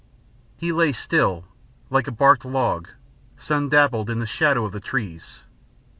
He lay still, like a barked log, sun dappled, in the shadow of the trees.